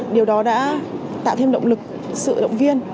điều đó đã tạo thêm động lực sự động viên